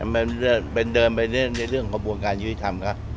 เป็นเดินไปในเรื่องกระบวนการธิษฐรรมครับ